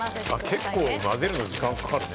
結構、混ぜるの時間かかるね。